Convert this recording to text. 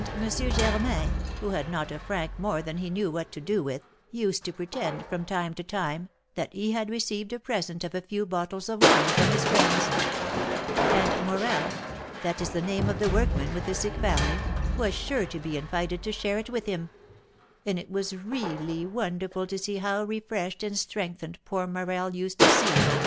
Germain, who had not a franc more than he knew what to do with, used to pretend, from time to time, that he had received a present of a few bottles of wine from his friends; and Morel (that is the name of the workman with the sick family) was sure to be invited to share it with him; and it was really wonderful to see how refreshed and strengthened poor Morel used to seem after M.